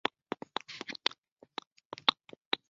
哈蒙德的预算延续了政府冻结福利的政策。